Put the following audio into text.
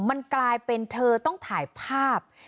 มันกลายเป็นเธอต้องถ่ายภาพ